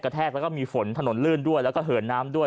แทกแล้วก็มีฝนถนนลื่นด้วยแล้วก็เหินน้ำด้วย